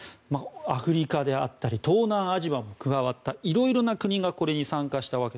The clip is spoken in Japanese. アフリカであったり東南アジアも加わっていろいろな国が参加しました。